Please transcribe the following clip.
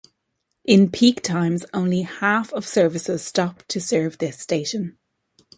In peak times only half of services stop to serve this station.